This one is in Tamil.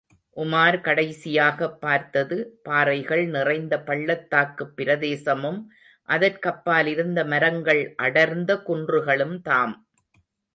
உமார் கடைசியாகப் பார்த்தது, பாறைகள் நிறைந்த பள்ளத்தாக்குப் பிரதேசமும் அதற்கப்பால் இருந்த மரங்கள் அடர்ந்த குன்றுகளும்தாம்!